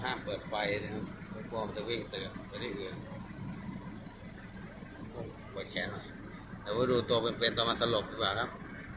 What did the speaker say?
ห้ามเปิดไฟพวกมันจะวิ่งตื่นไปด้วยอื่นปุดแขนหน่อยแต่ว่าดูตัวเป็นเป็นตัวมาสลบดีกว่าครับ